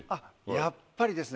やっぱりですね